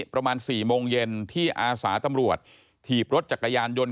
ประมาณ๔โมงเย็นที่อาสาตำรวจถีบรถจักรยานยนต์